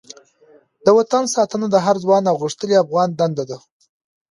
د وطن ساتنه د هر ځوان او غښتلې افغان دنده ده.